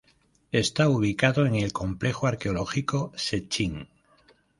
Está ubicado en el complejo arqueológico Sechín.